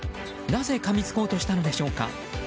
なぜかみつこうとしたのでしょうか。